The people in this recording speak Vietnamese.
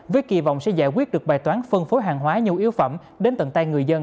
với kỳ vọng sẽ giải quyết được bài toán phân phối hàng hóa nhu yếu phẩm đến tận tay người dân